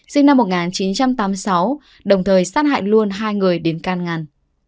sinh năm một nghìn chín trăm tám mươi sáu đồng thời sát hại luôn hai người đến can ngăn